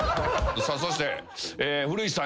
さあそして古市さん